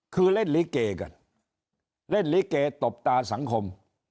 คือเล่นลิเกกันเล่นลิเกตบตาสังคม